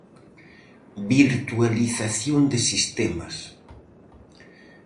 Virtualización de Sistemas.